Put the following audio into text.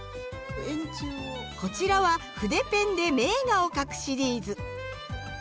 こちらは筆ペンで名画を描くシリーズ。